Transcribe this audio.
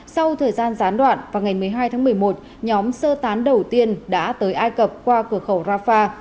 sau thời gian gián đoạn vào ngày một mươi hai tháng một mươi một nhóm sơ tán đầu tiên đã tới ai cập qua cửa khẩu rafah